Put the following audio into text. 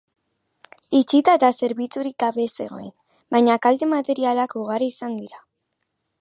Itxita eta zerbitzurik gabe zegoen, baina kalte materialak ugari izan dira.